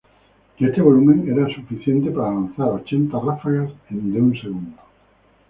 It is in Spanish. Este volumen era suficiente para lanzar ochenta ráfagas de un segundo.